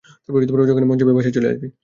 যখনই মন চাইবে বাসায় চলে আসবি।